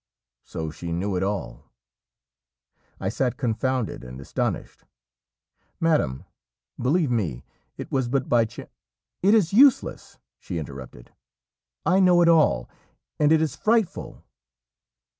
So she knew it all! I sat confounded and astonished. "Madam, believe me, it was but by chance " "It is useless," she interrupted; "I know it all, and it is frightful!"